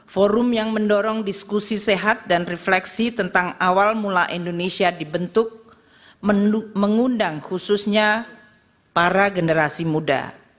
forum yang mendorong diskusi sehat dan refleksi tentang awal mula indonesia dibentuk mengundang khususnya para generasi muda